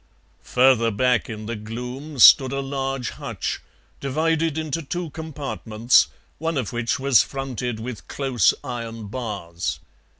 Further back in the gloom stood a large hutch, divided into two compartments, one of which was fronted with close iron bars.